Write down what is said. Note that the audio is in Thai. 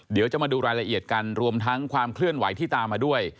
เดี๋ยวจะมาดูรายละเอียดกันรวมทั้งความเคลื่อนไหวที่ตามมาด้วย